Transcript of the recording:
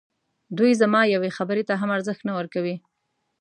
دوی زما یوې خبري ته هم ارزښت نه ورکوي.